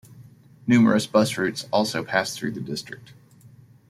Numerous bus routes also pass through the district.